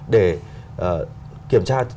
để kiểm tra